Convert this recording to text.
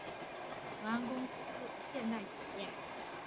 而永安公司和黄振龙凉茶是主动使用粤拼的现代企业。